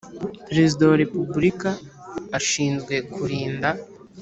Perezida wa repubulika ashinzwe kurinda